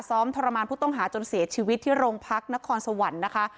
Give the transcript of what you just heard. ทรมานผู้ต้องหาจนเสียชีวิตที่โรงพักนครสวรรค์นะคะ